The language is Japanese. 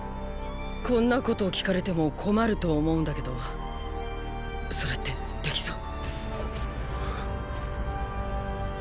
こんなこと聞かれても困ると思うんだけどそれってできそう？